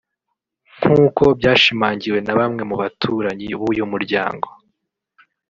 nk’uko byashimangiwe na bamwe mu baturanyi b’uyu muryango